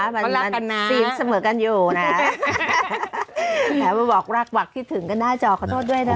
มันมันซีนเสมอกันอยู่นะฮะแผลว่าบอกรักหวักคิดถึงกันหน้าจอขอโทษด้วยนะฮะ